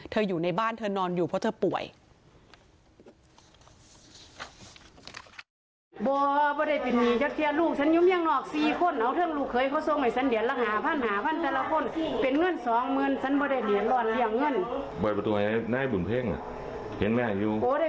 อยู่ในบ้านเธอนอนอยู่เพราะเธอป่วย